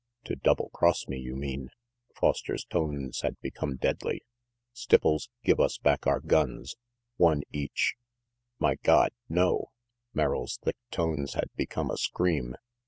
"To double cross me, you mean," Foster's tones had become deadly. "Stipples, give us back our guns. One each "My God, no!" Merrill's thick tones had become a scream.